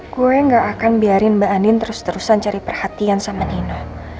gue gak akan biarin mbak anin terus terusan cari perhatian sama nino